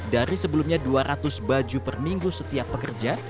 dari sebelumnya dua ratus baju per minggu setiap pekerja